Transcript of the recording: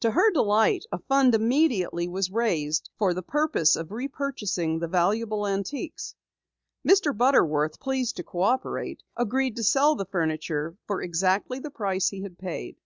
To her delight, a fund immediately was raised for the purpose of re purchasing the valuable antiques. Mr. Butterworth, pleased to cooperate, agreed to sell the furniture for exactly the price he had paid.